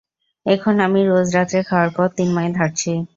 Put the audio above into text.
এখন আমি রোজ রাত্রে খাওয়ার পর তিন মাইল হাঁটছি।